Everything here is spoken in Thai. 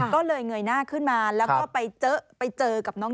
ก็เลยเงยหน้าขึ้นมาแล้วก็ไปเจอกับน้อง